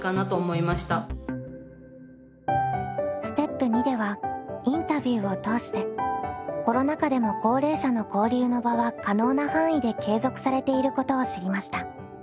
ステップ２ではインタビューを通してコロナ禍でも高齢者の交流の場は可能な範囲で継続されていることを知りました。